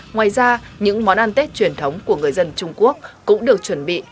ngoài ra những món ăn tết truyền thống của người dân trung quốc cũng được chuẩn bị